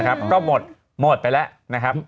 ก็หมดหมดไปแล้วนะครับ